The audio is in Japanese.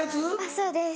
そうです。